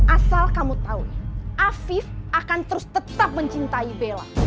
asal kamu tahu afif akan terus tetap mencintai bella